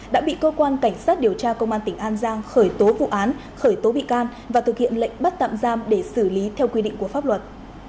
đã bị cơ quan cảnh sát điều tra công an tỉnh an giang khởi tố vụ án khởi tố bị can và thực hiện lệnh bắt tạm giam để xử lý theo quy định của pháp luật